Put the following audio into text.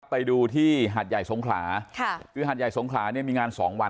ไปดูที่หัดใหญ่สงขลาค่ะคือหาดใหญ่สงขลาเนี่ยมีงานสองวัน